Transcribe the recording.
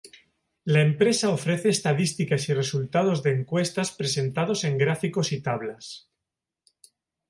La empresa ofrece estadísticas y resultados de encuestas presentados en gráficos y tablas.